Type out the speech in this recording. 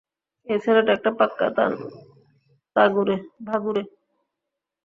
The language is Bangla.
এই ছেলেটা একটা পাক্কা ভাগুরে।